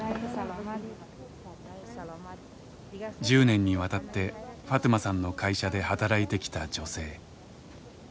１０年にわたってファトゥマさんの会社で働いてきた女性。